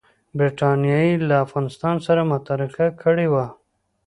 برټانیې له افغانستان سره متارکه کړې وه.